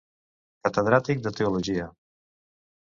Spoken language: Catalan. Catedràtic de teologia.